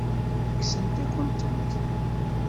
Kksent-akent-tent.